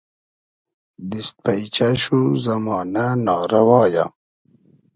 دیست پݷچۂ شو زئمانۂ نا رئوا یۂ